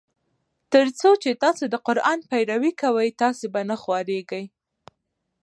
تر څو چي تاسي د قرآن پیروي کوی تاسي به نه خوارېږی.